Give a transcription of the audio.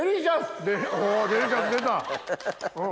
おデリシャス出た！